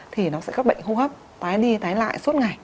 thì nó sẽ các bệnh hô hấp tái đi tái lại suốt ngày